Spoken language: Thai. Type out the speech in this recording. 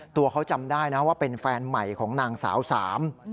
ตัวเขาจำได้นะว่าเป็นแฟนใหม่ของนางสาวสาม